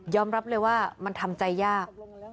รับเลยว่ามันทำใจยาก